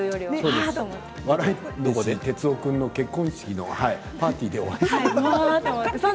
笑い飯の哲夫君の結婚式のパーティーでね。